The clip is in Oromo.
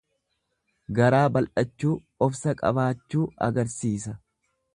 Garaa bal'achuu, obsa qabaachuu agarsiisa.